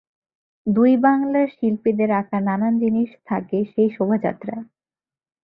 দুই বাংলার শিল্পীদের আকা নানান জিনিস থাকে সেই শোভযাত্রায়।